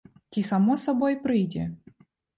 Ці само сабой прыйдзе?